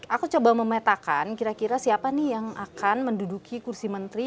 aku coba memetakan kira kira siapa nih yang akan menduduki kursi menteri